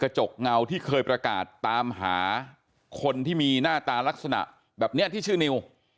จกเงาที่เคยประกาศตามหาคนที่มีหน้าตาลักษณะแบบนี้ที่ชื่อนิว